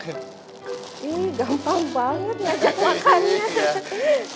ih gampang banget ngajak makannya